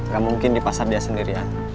gak mungkin di pasar dia sendirian